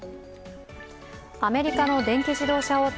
アメリカの電気自動車大手